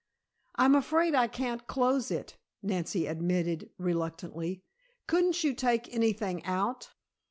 "I'm afraid I can't close it," Nancy admitted reluctantly. "Couldn't you take anything out?"